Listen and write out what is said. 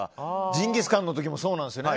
ジンギスカンの時もそうなんですよね。